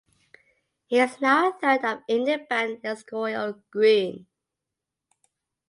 He is now a third of Indie band Escorial Gruen.